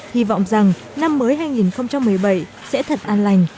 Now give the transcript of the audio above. hy vọng rằng năm mới hai nghìn một mươi bảy sẽ thật an lành